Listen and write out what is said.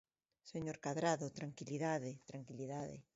Señor Cadrado, tranquilidade, tranquilidade.